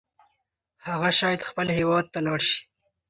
هغه شاید خپل هیواد ته لاړ شي.